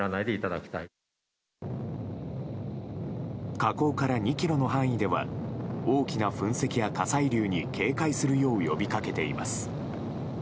火口から２ｋｍの範囲では大きな噴石や火砕流に警戒するよう呼び掛けています。